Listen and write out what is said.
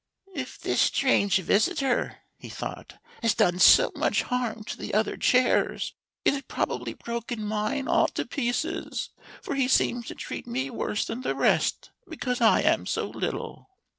"If this strange visitor," he thought, "has done so much harm to the other chairs, he has probably broken mine all to pieces, for he seems to treat me worse than the rest, because I am so little."